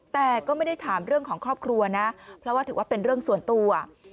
แต่ก็ไม่ได้ถามเรื่องของครอบครัวนะเพราะว่าถือว่าเป็นเรื่องส่วนตัว